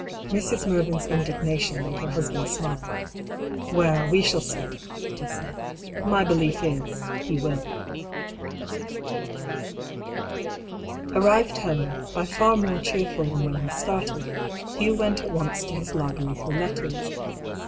" Mrs. Mervyn's indignation made her husband smile. " Well, we shall see," he said. " My belief is, he will." Arrived home, by far more cheerful than when he started, Hugh went at once to his library for letters.